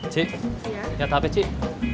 cik nyata hape cik